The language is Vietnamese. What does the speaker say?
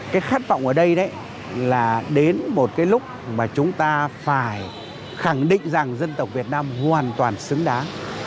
cái khát vọng ở đây đấy là đến một cái lúc mà chúng ta phải khẳng định rằng dân tộc việt nam hoàn toàn xứng đáng